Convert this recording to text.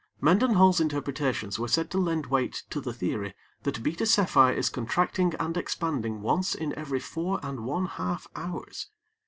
Mendenhall's interpretations were said to lend weight to the theory that Beta Cephei is contracting and expanding once in every four and one half hours.